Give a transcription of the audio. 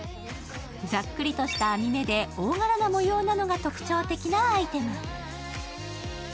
ざっくりとした編み目で大柄な模様なのが特徴的なアイテム。